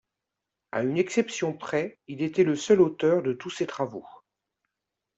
À une exception près, il était le seul auteur de tous ses travaux.